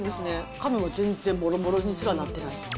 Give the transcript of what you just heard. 紙も全然、もろもろにすらなってない。